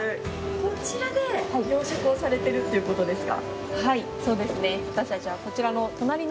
こちらで養殖をされているということですか？